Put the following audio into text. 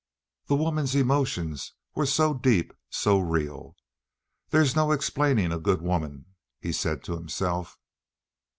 The woman's emotion was so deep, so real. "There's no explaining a good woman," he said to himself.